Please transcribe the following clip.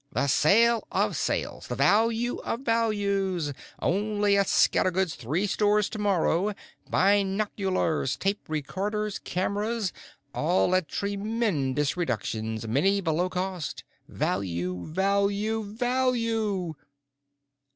"The sale of sales! The value of values! Only at Scattergood's three stores tomorrow. Binoculars, tape recorders, cameras, all at tremendous reductions, many below cost. Value, value, value!"